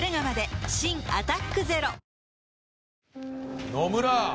新「アタックＺＥＲＯ」野村！